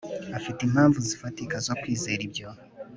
Afite impamvu zifatika zo kwizera ibyo